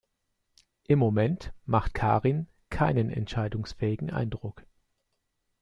Im Moment macht Karin keinen entscheidungsfähigen Eindruck.